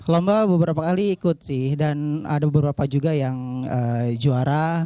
lomba beberapa kali ikut sih dan ada beberapa juga yang juara